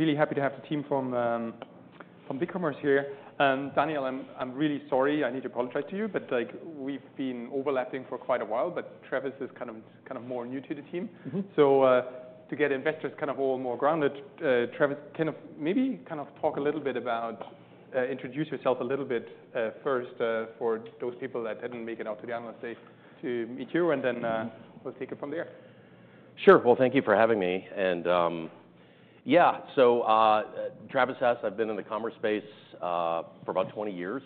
Really happy to have the team from BigCommerce here. Daniel, I'm really sorry. I need to apologize to you, but like, we've been overlapping for quite a while, but Travis is kind of more new to the team. Mm-hmm. So, to get investors kind of all more grounded, Travis, can you maybe kind of talk a little bit about introduce yourself a little bit, first, for those people that didn't make it out to the analyst day to meet you, and then we'll take it from there. Sure. Well, thank you for having me. And, yeah, so, Travis Hess, I've been in the commerce space for about 20 years,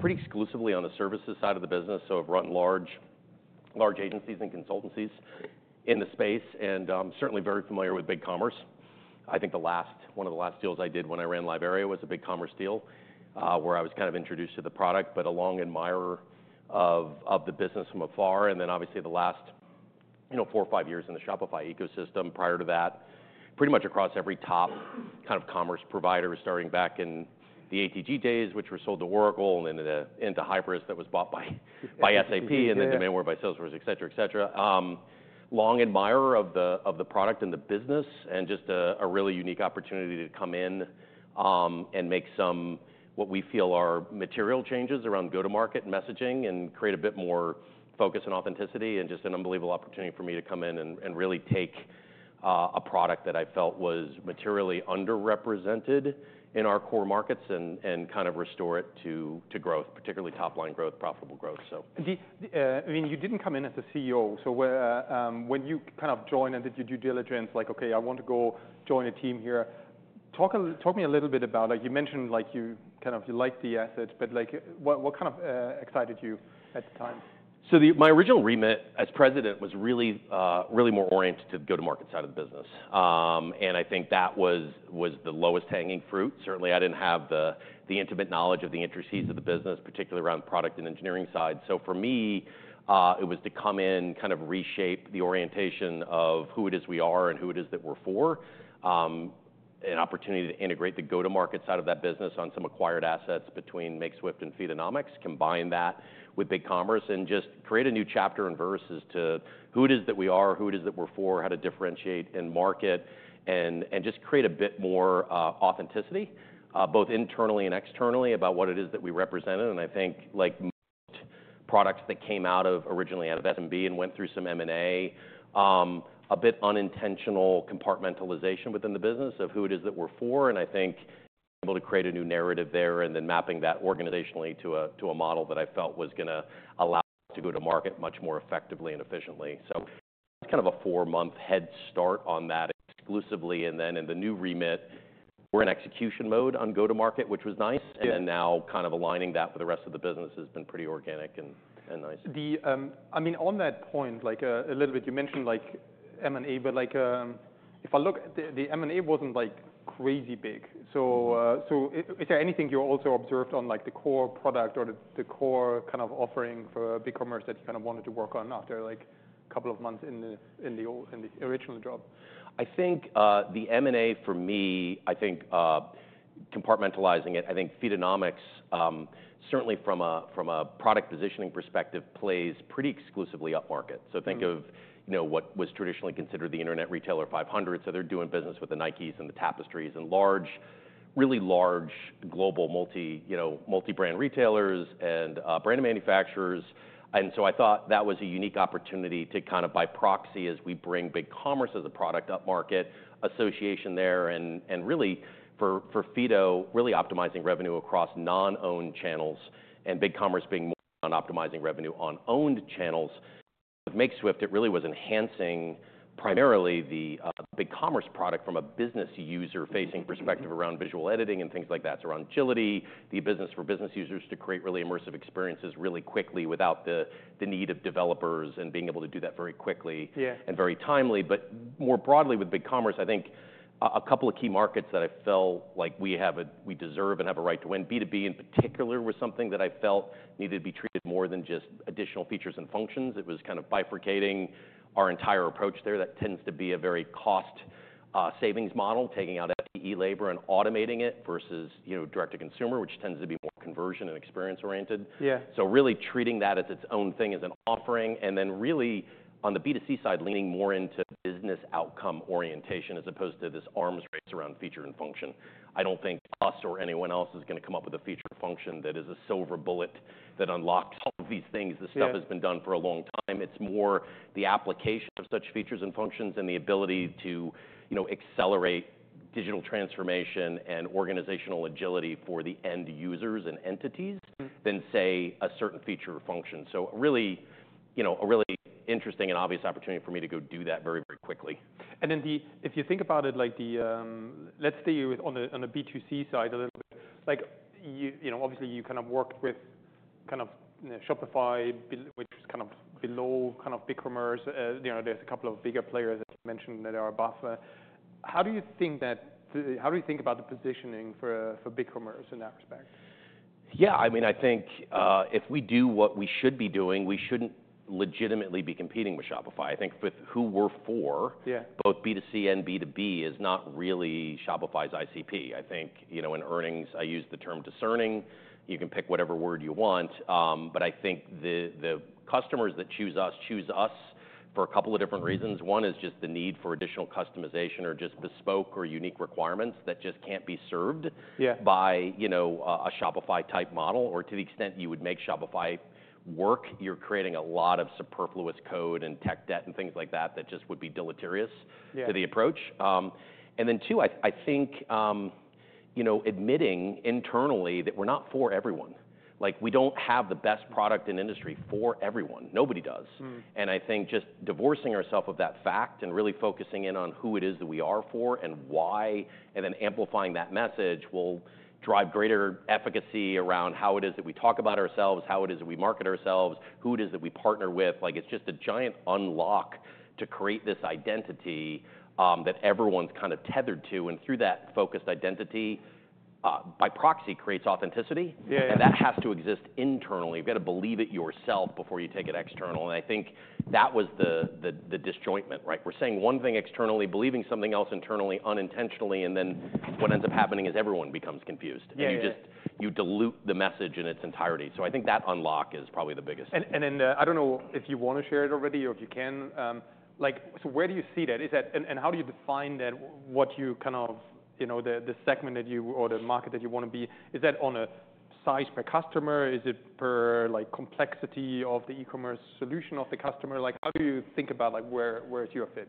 pretty exclusively on the services side of the business. So I've run large, large agencies and consultancies in the space, and certainly very familiar with BigCommerce. I think the last, one of the last deals I did when I ran LiveArea was a BigCommerce deal, where I was kind of introduced to the product, but a long admirer of the business from afar. And then obviously the last, you know, four or five years in the Shopify ecosystem. Prior to that, pretty much across every top kind of commerce provider, starting back in the ATG days, which were sold to Oracle and then into Hybris that was bought by SAP, and then Demandware by Salesforce, etc., etc. Long admirer of the product and the business, and just a really unique opportunity to come in and make some what we feel are material changes around go-to-market messaging and create a bit more focus and authenticity. And just an unbelievable opportunity for me to come in and really take a product that I felt was materially underrepresented in our core markets and kind of restore it to growth, particularly top-line growth, profitable growth, so. Do you, I mean, you didn't come in as a CEO, so where, when you kind of joined and did your due diligence, like, "Okay, I want to go join a team here," talk me a little bit about, like, you mentioned, like, you kind of you liked the assets, but, like, what kind of excited you at the time? So the, my original remit as president was really, really more oriented to the go-to-market side of the business. And I think that was, was the lowest-hanging fruit. Certainly, I didn't have the, the intimate knowledge of the intricacies of the business, particularly around the product and engineering side. So for me, it was to come in, kind of reshape the orientation of who it is we are and who it is that we're for, an opportunity to integrate the go-to-market side of that business on some acquired assets between Makeswift and Feedonomics, combine that with BigCommerce, and just create a new chapter in terms of who it is that we are, who it is that we're for, how to differentiate and market, and, and just create a bit more authenticity, both internally and externally about what it is that we represented. And I think, like, most products that came out of originally out of SMB and went through some M&A, a bit unintentional compartmentalization within the business of who it is that we're for. And I think being able to create a new narrative there and then mapping that organizationally to a model that I felt was gonna allow us to go to market much more effectively and efficiently. So that's kind of a four-month head start on that exclusively. And then in the new remit, we're in execution mode on go-to-market, which was nice. And then now kind of aligning that with the rest of the business has been pretty organic and nice. I mean, on that point, like, a little bit, you mentioned, like, M&A, but, like, if I look, the M&A wasn't, like, crazy big. So is there anything you also observed on, like, the core product or the core kind of offering for BigCommerce that you kind of wanted to work on after, like, a couple of months in the original job? I think the M&A for me, I think, compartmentalizing it, I think Feedonomics certainly from a product positioning perspective plays pretty exclusively upmarket, so think of, you know, what was traditionally considered the Internet Retailer 500, so they're doing business with the Nikes and the Tapestrys and large, really large global multi, you know, multi-brand retailers and brand manufacturers, and so I thought that was a unique opportunity to kind of by proxy, as we bring BigCommerce as a product upmarket association there, and really for Feedonomics really optimizing revenue across non-owned channels and BigCommerce being more on optimizing revenue on owned channels. With Makeswift, it really was enhancing primarily the BigCommerce product from a business user-facing perspective around visual editing and things like that, around agility for business users to create really immersive experiences really quickly without the need of developers and being able to do that very quickly. Yeah. Very timely. More broadly with BigCommerce, I think a couple of key markets that I felt like we deserve and have a right to win, B2B in particular, was something that I felt needed to be treated more than just additional features and functions. It was kind of bifurcating our entire approach there that tends to be a very cost savings model, taking out FTE labor and automating it versus, you know, direct-to-consumer, which tends to be more conversion and experience-oriented. Yeah. So really treating that as its own thing as an offering. And then really on the B2C side, leaning more into business outcome orientation as opposed to this arms race around feature and function. I don't think us or anyone else is gonna come up with a feature function that is a silver bullet that unlocks all of these things. This stuff has been done for a long time. It's more the application of such features and functions and the ability to, you know, accelerate digital transformation and organizational agility for the end users and entities than, say, a certain feature or function. So really, you know, a really interesting and obvious opportunity for me to go do that very, very quickly. And then, if you think about it, like, let's stay on the B2C side a little bit. Like, you know, obviously you kind of worked with Shopify, which is kind of below BigCommerce. You know, there's a couple of bigger players that you mentioned that are above that. How do you think about the positioning for BigCommerce in that respect? Yeah. I mean, I think, if we do what we should be doing, we shouldn't legitimately be competing with Shopify. I think with who we're for. Yeah. Both B2C and B2B is not really Shopify's ICP. I think, you know, in earnings, I use the term discerning. You can pick whatever word you want. But I think the customers that choose us choose us for a couple of different reasons. One is just the need for additional customization or just bespoke or unique requirements that just can't be served. Yeah. By, you know, a Shopify-type model. Or to the extent you would make Shopify work, you're creating a lot of superfluous code and tech debt and things like that that just would be deleterious. Yeah. To the approach. And then two, I think, you know, admitting internally that we're not for everyone. Like we don't have the best product in the industry for everyone. Nobody does. Mm-hmm. And I think just divorcing ourselves of that fact and really focusing in on who it is that we are for and why, and then amplifying that message will drive greater efficacy around how it is that we talk about ourselves, how it is that we market ourselves, who it is that we partner with. Like it's just a giant unlock to create this identity, that everyone's kind of tethered to. And through that focused identity, by proxy, creates authenticity. Yeah. And that has to exist internally. You've gotta believe it yourself before you take it external. And I think that was the disjointment, right? We're saying one thing externally, believing something else internally unintentionally, and then what ends up happening is everyone becomes confused. Yeah. And you just, you dilute the message in its entirety. So I think that unlock is probably the biggest. And then, I don't know if you wanna share it already or if you can, like, so where do you see that? Is that, and how do you define that, what you kind of, you know, the segment that you or the market that you wanna be? Is that on a size per customer? Is it per, like, complexity of the e-commerce solution of the customer? Like how do you think about, like, where is your fit?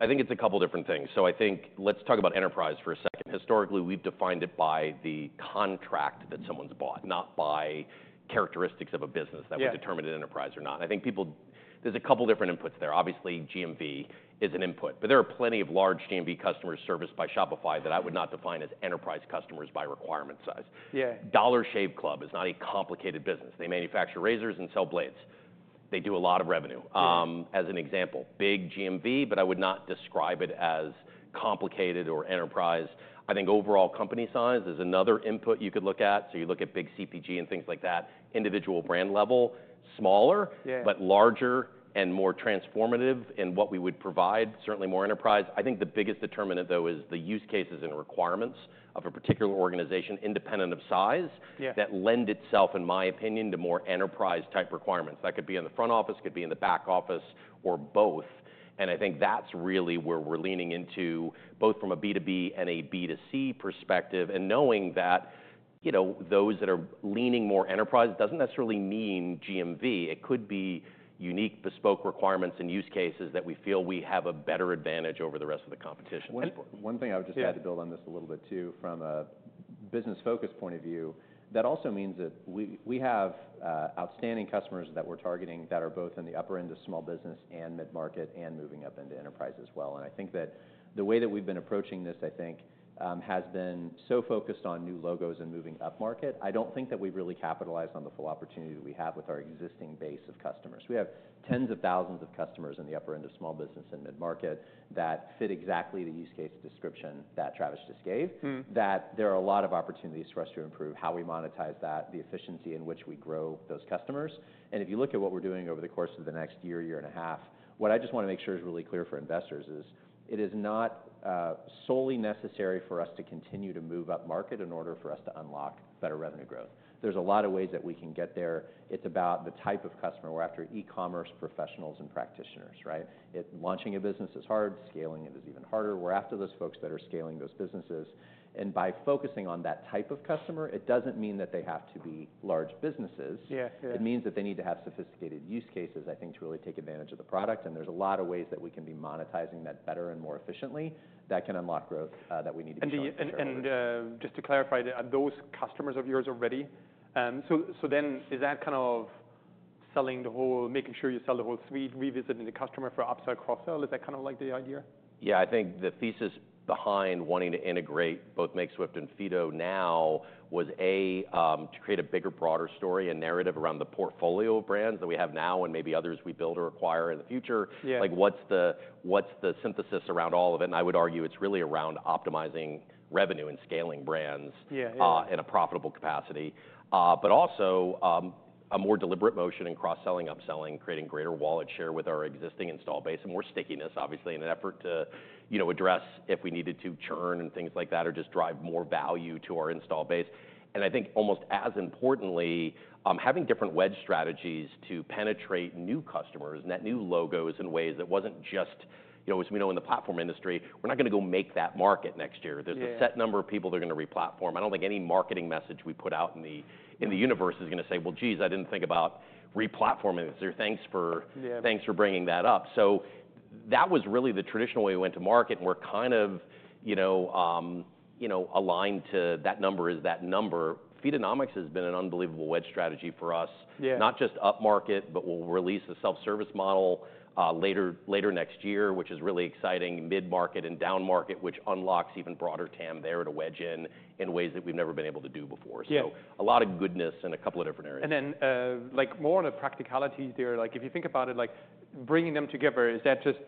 I think it's a couple different things. I think let's talk about enterprise for a second. Historically, we've defined it by the contract that someone's bought, not by characteristics of a business that we determined an enterprise or not. I think people, there's a couple different inputs there. Obviously, GMV is an input, but there are plenty of large GMV customers serviced by Shopify that I would not define as enterprise customers by requirement size. Yeah. Dollar Shave Club is not a complicated business. They manufacture razors and sell blades. They do a lot of revenue. Yeah. As an example, big GMV, but I would not describe it as complicated or enterprise. I think overall company size is another input you could look at. So you look at big CPG and things like that. Individual brand level, smaller. Yeah. But larger and more transformative in what we would provide, certainly more enterprise. I think the biggest determinant, though, is the use cases and requirements of a particular organization independent of size. Yeah. That lend itself, in my opinion, to more enterprise-type requirements. That could be in the front office, could be in the back office, or both. And I think that's really where we're leaning into both from a B2B and a B2C perspective. And knowing that, you know, those that are leaning more enterprise doesn't necessarily mean GMV. It could be unique bespoke requirements and use cases that we feel we have a better advantage over the rest of the competition. One thing I would just add to build on this a little bit too, from a business-focused point of view, that also means that we have outstanding customers that we're targeting that are both in the upper end of small business and mid-market and moving up into enterprise as well. I think that the way that we've been approaching this, I think, has been so focused on new logos and moving upmarket. I don't think that we've really capitalized on the full opportunity that we have with our existing base of customers. We have tens of thousands of customers in the upper end of small business and mid-market that fit exactly the use case description that Travis just gave. Mm-hmm. That there are a lot of opportunities for us to improve how we monetize that, the efficiency in which we grow those customers. And if you look at what we're doing over the course of the next year, year and a half, what I just wanna make sure is really clear for investors is it is not solely necessary for us to continue to move upmarket in order for us to unlock better revenue growth. There's a lot of ways that we can get there. It's about the type of customer. We're after e-commerce professionals and practitioners, right? Launching a business is hard. Scaling it is even harder. We're after those folks that are scaling those businesses. And by focusing on that type of customer, it doesn't mean that they have to be large businesses. Yeah. It means that they need to have sophisticated use cases, I think, to really take advantage of the product. And there's a lot of ways that we can be monetizing that better and more efficiently that can unlock growth, that we need to be targeting. Do you, just to clarify, are those customers of yours already? So then is that kind of selling the whole, making sure you sell the whole suite, revisiting the customer for upsell, cross-sell? Is that kind of like the idea? Yeah. I think the thesis behind wanting to integrate both Makeswift and Feedonomics now was A to create a bigger, broader story, a narrative around the portfolio of brands that we have now and maybe others we build or acquire in the future. Yeah. Like, what's the synthesis around all of it? And I would argue it's really around optimizing revenue and scaling brands. Yeah. Yeah. In a profitable capacity. But also, a more deliberate motion in cross-selling, upselling, creating greater wallet share with our existing install base and more stickiness, obviously, in an effort to, you know, address if we needed to churn and things like that or just drive more value to our install base. And I think almost as importantly, having different wedge strategies to penetrate new customers and that new logos in ways that wasn't just, you know, as we know in the platform industry, we're not gonna go make that market next year. Yeah. There's a set number of people they're gonna replatform. I don't think any marketing message we put out in the universe is gonna say, "Well, geez, I didn't think about replatforming this." Or, "Thanks for. Yeah. Thanks for bringing that up. So that was really the traditional way we went to market. And we're kind of, you know, you know, aligned to that number is that number. Feedonomics has been an unbelievable wedge strategy for us. Yeah. Not just upmarket, but we'll release the self-service model, later, later next year, which is really exciting, mid-market and downmarket, which unlocks even broader TAM there to wedge in, in ways that we've never been able to do before. Yeah. So a lot of goodness in a couple of different areas. And then, like, more on the practicalities there, like if you think about it, like bringing them together, is that just,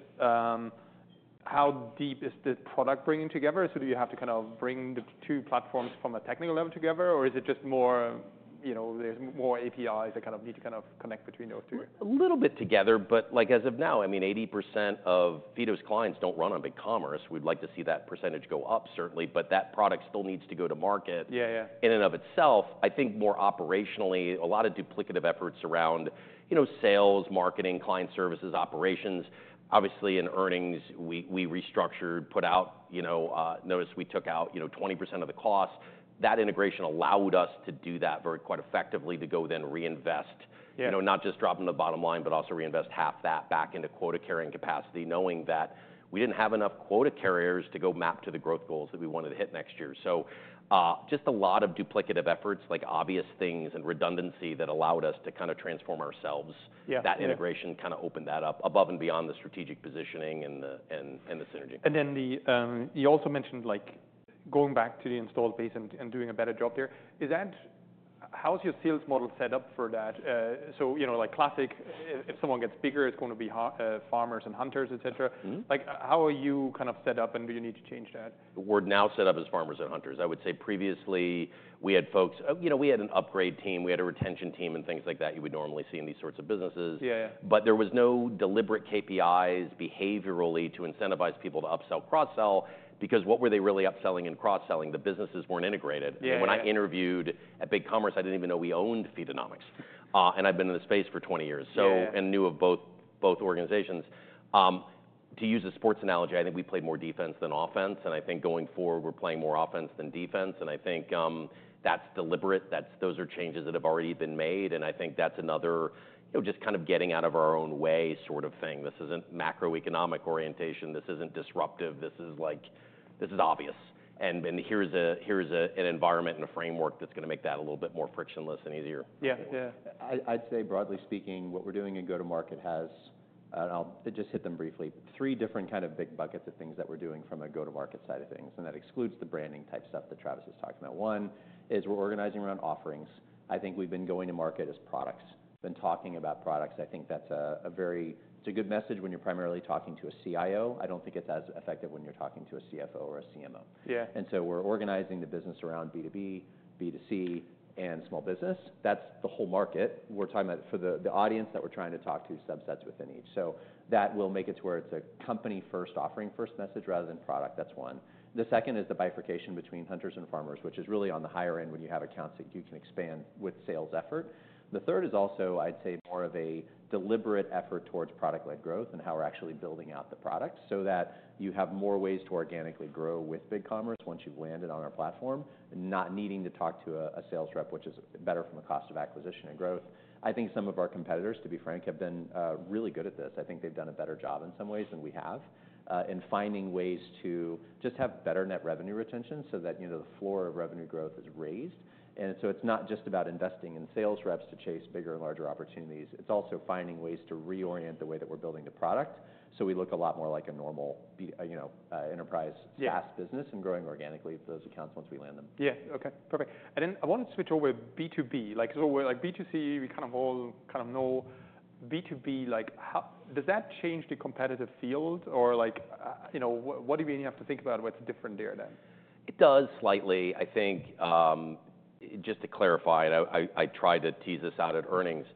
how deep is the product bringing together? So do you have to kind of bring the two platforms from a technical level together, or is it just more, you know, there's more APIs that kind of need to kind of connect between those two? A little bit together, but like as of now, I mean, 80% of Feedonomics's clients don't run on BigCommerce. We'd like to see that percentage go up, certainly, but that product still needs to go to market. Yeah. Yeah. In and of itself, I think more operationally, a lot of duplicative efforts around, you know, sales, marketing, client services, operations. Obviously, in earnings, we restructured, put out, you know, notice we took out, you know, 20% of the cost. That integration allowed us to do that very quite effectively to go then reinvest. Yeah. You know, not just dropping the bottom line, but also reinvest half that back into quota carrying capacity, knowing that we didn't have enough quota carriers to go map to the growth goals that we wanted to hit next year, so just a lot of duplicative efforts, like obvious things and redundancy that allowed us to kind of transform ourselves. Yeah. That integration kind of opened that up above and beyond the strategic positioning and the synergy. You also mentioned like going back to the installed base and doing a better job there. How's your sales model set up for that? You know, like classic, if someone gets bigger, it's gonna be farmers and hunters, et cetera. Mm-hmm. Like how are you kind of set up and do you need to change that? We're now set up as farmers and hunters. I would say previously we had folks, you know, we had an upgrade team, we had a retention team and things like that you would normally see in these sorts of businesses. Yeah. Yeah. But there was no deliberate KPIs behaviorally to incentivize people to upsell, cross-sell, because what were they really upselling and cross-selling? The businesses weren't integrated. Yeah. When I interviewed at BigCommerce, I didn't even know we owned Feedonomics, and I've been in the space for 20 years. Yeah. I knew of both organizations. To use a sports analogy, I think we played more defense than offense. I think going forward we're playing more offense than defense. I think that's deliberate. That's. Those are changes that have already been made. I think that's another, you know, just kind of getting out of our own way sort of thing. This isn't macroeconomic orientation. This isn't disruptive. This is like, this is obvious. Here's an environment and a framework that's gonna make that a little bit more frictionless and easier. Yeah. Yeah. I'd say broadly speaking, what we're doing in go-to-market has, I'll just hit them briefly, three different kind of big buckets of things that we're doing from a go-to-market side of things. That excludes the branding type stuff that Travis is talking about. One is we're organizing around offerings. I think we've been going to market as products, been talking about products. I think that's a very, it's a good message when you're primarily talking to a CIO. I don't think it's as effective when you're talking to a CFO or a CMO. Yeah. And so we're organizing the business around B2B, B2C, and small business. That's the whole market. We're talking about for the audience that we're trying to talk to subsets within each. So that will make it to where it's a company-first offering, first message rather than product. That's one. The second is the bifurcation between hunters and farmers, which is really on the higher end when you have accounts that you can expand with sales effort. The third is also, I'd say, more of a deliberate effort towards product-led growth and how we're actually building out the products so that you have more ways to organically grow with BigCommerce once you've landed on our platform, not needing to talk to a sales rep, which is better from a cost of acquisition and growth. I think some of our competitors, to be frank, have been really good at this. I think they've done a better job in some ways than we have, in finding ways to just have better net revenue retention so that, you know, the floor of revenue growth is raised, and so it's not just about investing in sales reps to chase bigger and larger opportunities. It's also finding ways to reorient the way that we're building the product, so we look a lot more like a normal B, you know, enterprise. Yeah. SaaS business and growing organically those accounts once we land them. Yeah. Okay. Perfect. And then I wanted to switch over B2B. Like, so we're like B2C, we kind of all know B2B, like how does that change the competitive field or like, you know, what do we have to think about what's different there then? It does slightly. I think, just to clarify, and I tried to tease this out at earnings.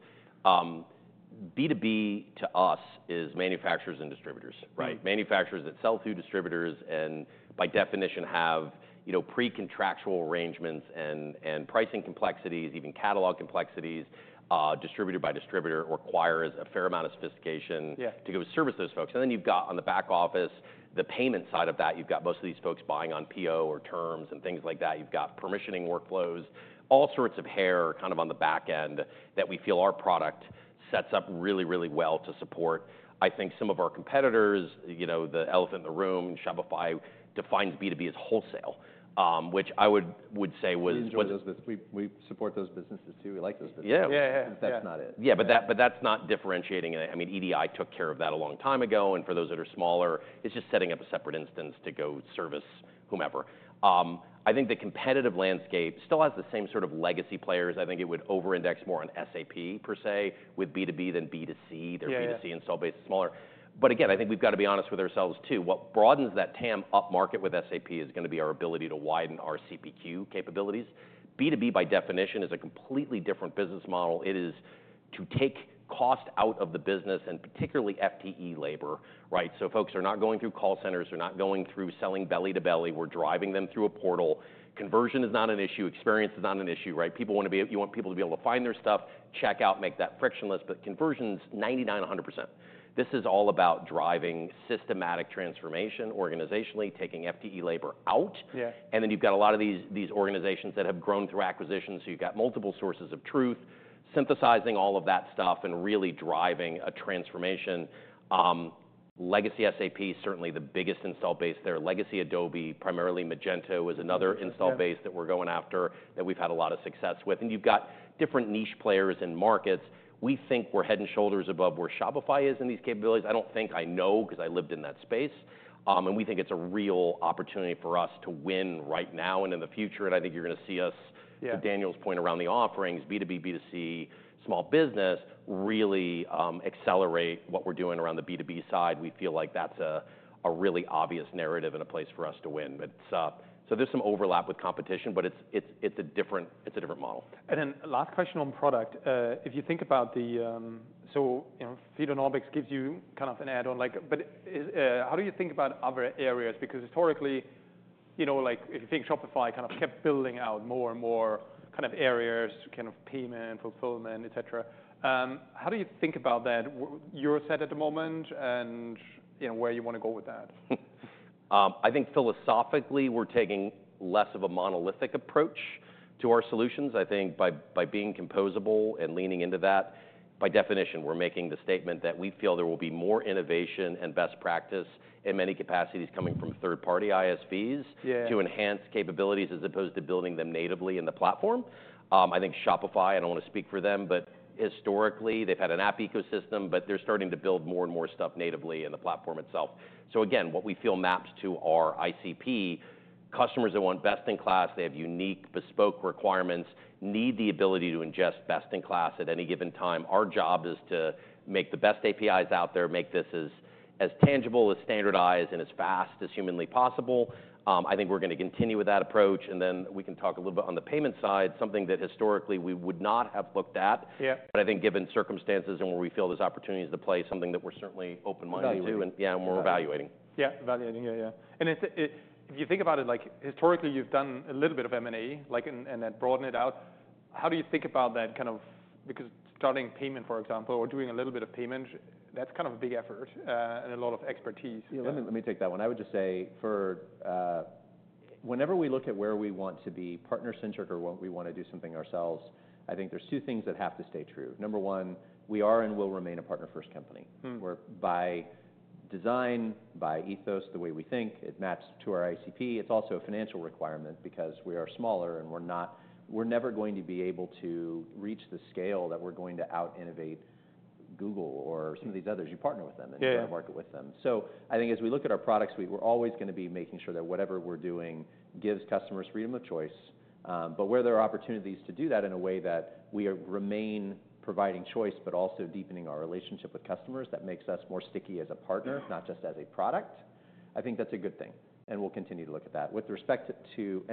B2B to us is manufacturers and distributors, right? Manufacturers that sell through distributors and by definition have, you know, pre-contractual arrangements and pricing complexities, even catalog complexities, distributor by distributor requires a fair amount of sophistication. Yeah. To go service those folks and then you've got on the back office, the payment side of that, you've got most of these folks buying on PO or terms and things like that. You've got permissioning workflows, all sorts of hair kind of on the back end that we feel our product sets up really, really well to support. I think some of our competitors, you know, the elephant in the room, Shopify defines B2B as wholesale, which I would say was. We do those businesses. We support those businesses too. We like those businesses. Yeah. Yeah. Yeah. That's not it. Yeah. But that's not differentiating it. I mean, EDI took care of that a long time ago, and for those that are smaller, it's just setting up a separate instance to go service whomever. I think the competitive landscape still has the same sort of legacy players. I think it would over-index more on SAP per se with B2B than B2C. Yeah. Their B2C install base is smaller. But again, I think we've gotta be honest with ourselves too. What broadens that TAM upmarket with SAP is gonna be our ability to widen our CPQ capabilities. B2B by definition is a completely different business model. It is to take cost out of the business and particularly FTE labor, right? So folks are not going through call centers. They're not going through selling belly to belly. We're driving them through a portal. Conversion is not an issue. Experience is not an issue, right? People wanna be, you want people to be able to find their stuff, check out, make that frictionless. But conversion's 99%-100%. This is all about driving systematic transformation organizationally, taking FTE labor out. Yeah. And then you've got a lot of these organizations that have grown through acquisitions. So you've got multiple sources of truth, synthesizing all of that stuff and really driving a transformation. Legacy SAP is certainly the biggest installed base there. Legacy Adobe, primarily Magento, is another installed base that we're going after that we've had a lot of success with. And you've got different niche players and markets. We think we're head and shoulders above where Shopify is in these capabilities. I don't think, I know, 'cause I lived in that space, and we think it's a real opportunity for us to win right now and in the future. And I think you're gonna see us. Yeah. To Daniel's point around the offerings, B2B, B2C, small business, really accelerate what we're doing around the B2B side. We feel like that's a really obvious narrative and a place for us to win. But so there's some overlap with competition, but it's a different model. And then last question on product. If you think about the, so, you know, Feedonomics gives you kind of an add-on like, but is, how do you think about other areas? Because historically, you know, like if you think Shopify kind of kept building out more and more kind of areas, kind of payment, fulfillment, et cetera, how do you think about that, what you're set at the moment and, you know, where you wanna go with that? I think philosophically we're taking less of a monolithic approach to our solutions. I think by being composable and leaning into that, by definition, we're making the statement that we feel there will be more innovation and best practice in many capacities coming from third-party ISVs. Yeah. To enhance capabilities as opposed to building them natively in the platform. I think Shopify. I don't wanna speak for them, but historically they've had an app ecosystem, but they're starting to build more and more stuff natively in the platform itself, so again, what we feel maps to our ICP, customers that want best in class, they have unique bespoke requirements, need the ability to ingest best in class at any given time. Our job is to make the best APIs out there, make this as tangible, as standardized, and as fast as humanly possible. I think we're gonna continue with that approach, and then we can talk a little bit on the payment side, something that historically we would not have looked at. Yeah. But I think given circumstances and where we feel there's opportunities to play, something that we're certainly open-minded to. Evaluating. Yeah. And we're evaluating. Yeah. And it's, if you think about it, like historically you've done a little bit of M&A, like in, and then broaden it out. How do you think about that kind of, because starting payment, for example, or doing a little bit of payment, that's kind of a big effort, and a lot of expertise. Yeah. Let me, let me take that one. I would just say for, whenever we look at where we want to be partner-centric or what we wanna do something ourselves, I think there's two things that have to stay true. Number one, we are and will remain a partner-first company. Mm-hmm. Where by design, by ethos, the way we think, it maps to our ICP. It's also a financial requirement because we are smaller and we're not, we're never going to be able to reach the scale that we're going to out-innovate Google or some of these others. You partner with them and. Yeah. You out-market with them. So I think as we look at our products, we were always gonna be making sure that whatever we're doing gives customers freedom of choice, but where there are opportunities to do that in a way that we remain providing choice, but also deepening our relationship with customers, that makes us more sticky as a partner, not just as a product. I think that's a good thing, and we'll continue to look at that. With respect to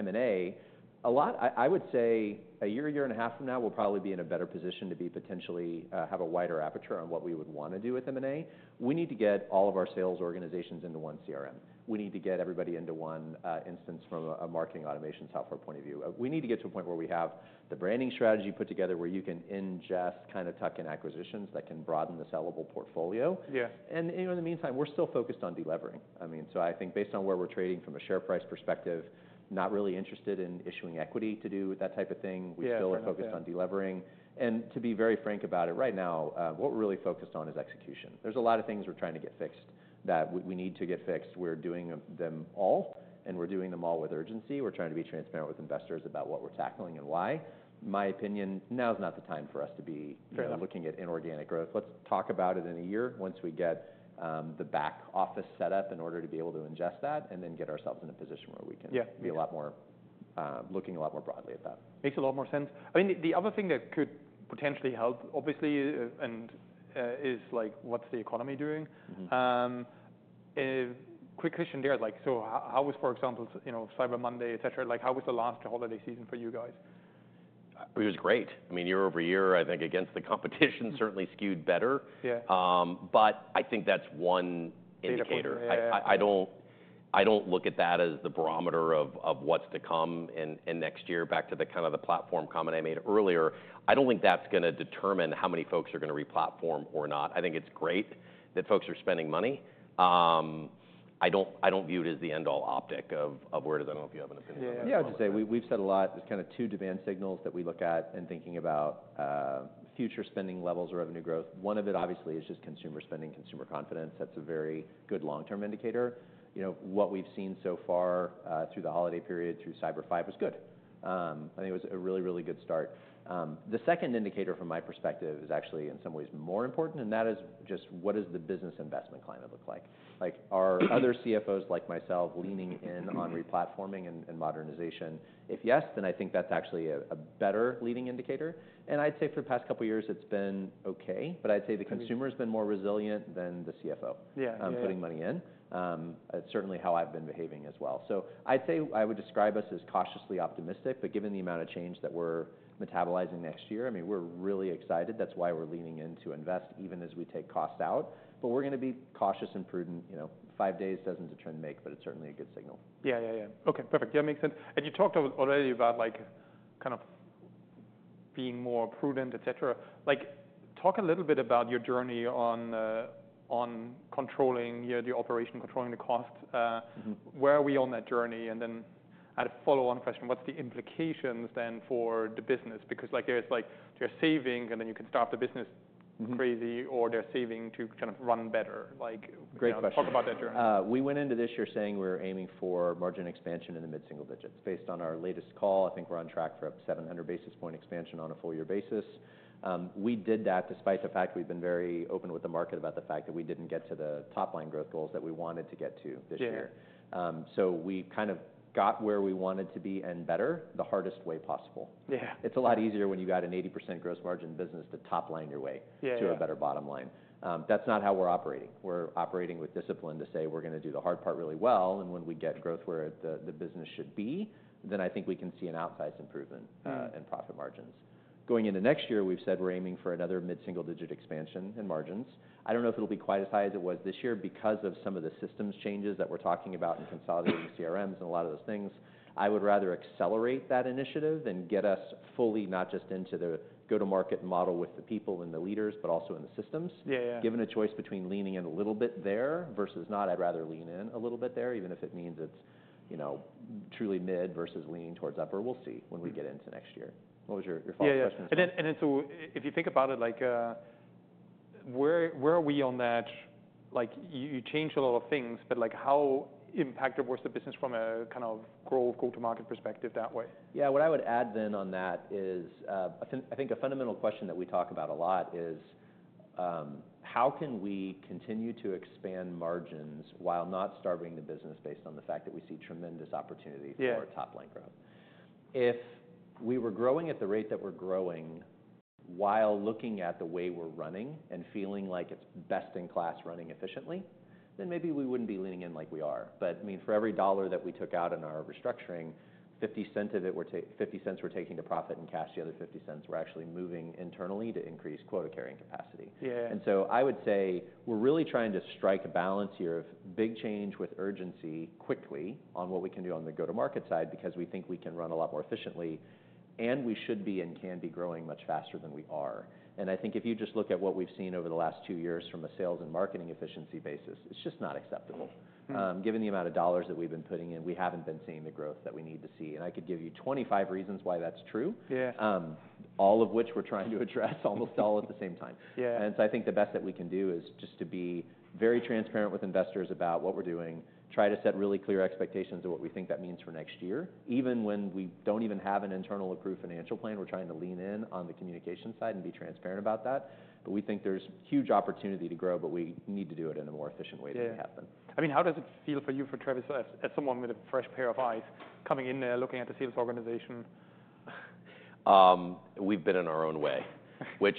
M&A, I would say a year, a year and a half from now, we'll probably be in a better position to potentially have a wider aperture on what we would wanna do with M&A. We need to get all of our sales organizations into one CRM. We need to get everybody into one instance from a marketing automation software point of view. We need to get to a point where we have the branding strategy put together where you can ingest kind of tuck-in acquisitions that can broaden the sellable portfolio. Yeah. And, you know, in the meantime, we're still focused on delivering. I mean, so I think based on where we're trading from a share price perspective, not really interested in issuing equity to do that type of thing. Yeah. We still are focused on delivering. To be very frank about it right now, what we're really focused on is execution. There's a lot of things we're trying to get fixed that we need to get fixed. We're doing them all, and we're doing them all with urgency. We're trying to be transparent with investors about what we're tackling and why. My opinion, now's not the time for us to be. Fair enough. Looking at inorganic growth. Let's talk about it in a year once we get the back office set up in order to be able to ingest that and then get ourselves in a position where we can. Yeah. Be a lot more, looking a lot more broadly at that. Makes a lot more sense. I mean, the other thing that could potentially help, obviously, is like what's the economy doing? Mm-hmm. Quick question there. Like, so how was, for example, you know, Cyber Monday, et cetera, like how was the last holiday season for you guys? It was great. I mean, year-over-year, I think against the competition, certainly skewed better. Yeah. But I think that's one indicator. I don't look at that as the barometer of what's to come in next year. Back to the kind of the platform comment I made earlier, I don't think that's gonna determine how many folks are gonna re-platform or not. I think it's great that folks are spending money. I don't view it as the end-all optic of where it is. I don't know if you have an opinion on that. Yeah. I would just say we, we've said a lot. There's kind of two demand signals that we look at and thinking about future spending levels or revenue growth. One of it obviously is just consumer spending, consumer confidence. That's a very good long-term indicator. You know, what we've seen so far, through the holiday period, through Cyber Five was good. I think it was a really, really good start. The second indicator from my perspective is actually in some ways more important, and that is just what does the business investment climate look like? Like are other CFOs like myself leaning in on re-platforming and modernization? If yes, then I think that's actually a better leading indicator. And I'd say for the past couple of years, it's been okay, but I'd say the consumer has been more resilient than the CFO. Yeah. Putting money in. It's certainly how I've been behaving as well. So I'd say I would describe us as cautiously optimistic, but given the amount of change that we're metabolizing next year, I mean, we're really excited. That's why we're leaning in to invest even as we take costs out. But we're gonna be cautious and prudent. You know, five days doesn't determine make, but it's certainly a good signal. Yeah. Okay. Perfect. Makes sense. And you talked already about like kind of being more prudent, et cetera. Like talk a little bit about your journey on controlling your operation, controlling the cost. Mm-hmm. Where are we on that journey? And then I had a follow-on question. What's the implications then for the business? Because like there's like they're saving and then you can stop the business crazy or they're saving to kind of run better. Like. Great question. Talk about that journey. We went into this year saying we were aiming for margin expansion in the mid-single digits. Based on our latest call, I think we're on track for a 700 basis points expansion on a full-year basis. We did that despite the fact we've been very open with the market about the fact that we didn't get to the top-line growth goals that we wanted to get to this year. Yeah. We kind of got where we wanted to be and better the hardest way possible. Yeah. It's a lot easier when you got an 80% gross margin business to top-line your way. Yeah. To a better bottom line. That's not how we're operating. We're operating with discipline to say we're gonna do the hard part really well. And when we get growth where the business should be, then I think we can see an outsized improvement. Yeah. in profit margins. Going into next year, we've said we're aiming for another mid-single digit expansion in margins. I don't know if it'll be quite as high as it was this year because of some of the systems changes that we're talking about and consolidating CRMs and a lot of those things. I would rather accelerate that initiative than get us fully not just into the go-to-market model with the people and the leaders, but also in the systems. Yeah. Yeah. Given a choice between leaning in a little bit there versus not, I'd rather lean in a little bit there, even if it means it's, you know, truly mid versus leaning towards upper. We'll see when we get into next year. What was your final question? Yeah. And then so if you think about it like, where are we on that? Like you changed a lot of things, but like how impacted was the business from a kind of growth, go-to-market perspective that way? Yeah. What I would add then on that is, I think a fundamental question that we talk about a lot is, how can we continue to expand margins while not starving the business based on the fact that we see tremendous opportunity for. Yeah. Top-line growth? If we were growing at the rate that we're growing while looking at the way we're running and feeling like it's best in class running efficiently, then maybe we wouldn't be leaning in like we are. But I mean, for every $1 that we took out in our restructuring, $0.50 of it we're taking to profit and cash. The other $0.50 we're actually moving internally to increase quota carrying capacity. Yeah. And so I would say we're really trying to strike a balance here of big change with urgency quickly on what we can do on the go-to-market side because we think we can run a lot more efficiently and we should be and can be growing much faster than we are. And I think if you just look at what we've seen over the last two years from a sales and marketing efficiency basis, it's just not acceptable. Mm-hmm. Given the amount of dollars that we've been putting in, we haven't been seeing the growth that we need to see, and I could give you 25 reasons why that's true. Yeah. All of which we're trying to address almost all at the same time. Yeah. And so I think the best that we can do is just to be very transparent with investors about what we're doing, try to set really clear expectations of what we think that means for next year. Even when we don't even have an internal accrued financial plan, we're trying to lean in on the communication side and be transparent about that. But we think there's huge opportunity to grow, but we need to do it in a more efficient way too. Yeah. Have them. I mean, how does it feel for you, for Travis, as someone with a fresh pair of eyes coming in there, looking at the sales organization? We've been in our own way, which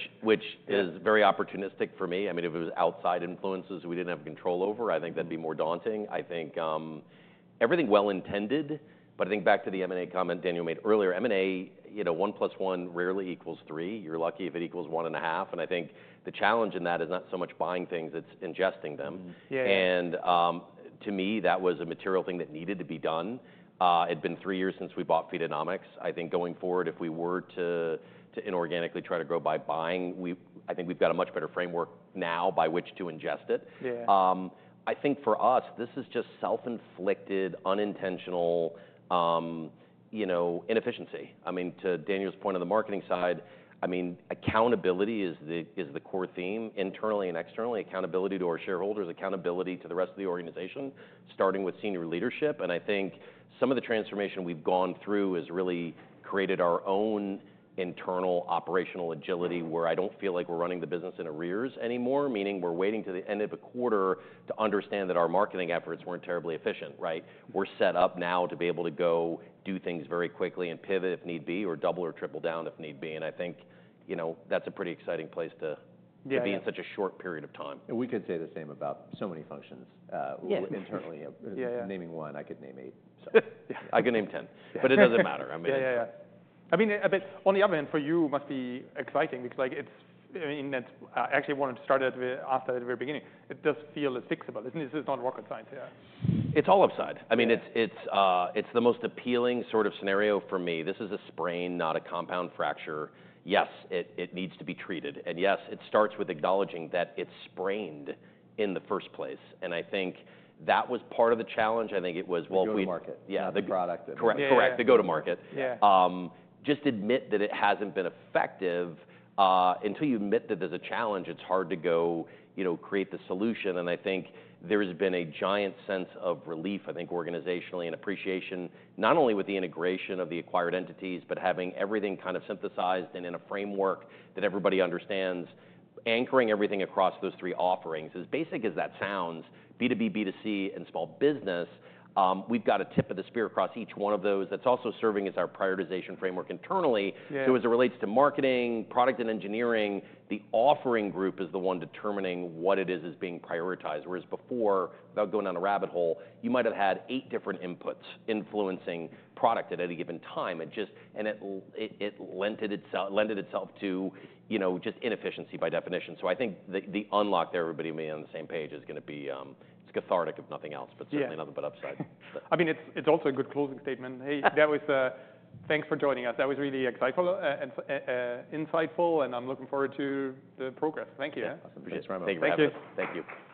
is very opportunistic for me. I mean, if it was outside influences we didn't have control over, I think that'd be more daunting. I think, everything well-intended, but I think back to the M&A comment Daniel made earlier, M&A, you know, one plus one rarely equals three. You're lucky if it equals one and a half. And I think the challenge in that is not so much buying things, it's ingesting them. Mm-hmm. Yeah. To me that was a material thing that needed to be done. It'd been three years since we bought Feedonomics. I think going forward, if we were to inorganically try to grow by buying, we, I think we've got a much better framework now by which to ingest it. Yeah. I think for us, this is just self-inflicted, unintentional, you know, inefficiency. I mean, to Daniel's point on the marketing side, I mean, accountability is the core theme internally and externally. Accountability to our shareholders, accountability to the rest of the organization, starting with senior leadership. And I think some of the transformation we've gone through has really created our own internal operational agility where I don't feel like we're running the business in arrears anymore, meaning we're waiting to the end of a quarter to understand that our marketing efforts weren't terribly efficient, right? We're set up now to be able to go do things very quickly and pivot if need be or double or triple down if need be. And I think, you know, that's a pretty exciting place to. Yeah. To be in such a short period of time. And we could say the same about so many functions. Yeah. Internally. Yeah. Yeah. Naming one, I could name eight, so. Yeah. I could name 10. Yeah. But it doesn't matter. I mean. Yeah. I mean, but on the other hand, for you, it must be exciting because, like, it's. I mean, that's. I actually wanted to start at the, after the very beginning. It does feel as fixable. Isn't this is not rocket science here? It's all upside. I mean, it's the most appealing sort of scenario for me. This is a sprain, not a compound fracture. Yes, it needs to be treated. And yes, it starts with acknowledging that it's sprained in the first place. And I think that was part of the challenge. I think it was while we. The go-to-market. Yeah. The product and. Correct. Correct. The go-to-market. Yeah. Just admit that it hasn't been effective, until you admit that there's a challenge, it's hard to go, you know, create the solution, and I think there has been a giant sense of relief, I think organizationally, and appreciation not only with the integration of the acquired entities, but having everything kind of synthesized and in a framework that everybody understands, anchoring everything across those three offerings. As basic as that sounds, B2B, B2C, and small business, we've got a tip of the spear across each one of those that's also serving as our prioritization framework internally. Yeah. So as it relates to marketing, product, and engineering, the offering group is the one determining what it is as being prioritized. Whereas before, without going down a rabbit hole, you might've had eight different inputs influencing product at any given time. It just lent itself to, you know, just inefficiency by definition. So I think the unlock there, everybody may be on the same page, is gonna be. It's cathartic if nothing else, but certainly nothing but upside. Yeah. I mean, it's, it's also a good closing statement. Hey, that was, thanks for joining us. That was really exciting, and insightful, and I'm looking forward to the progress. Thank you. Yeah. Awesome. Appreciate it. Thank you. Thank you.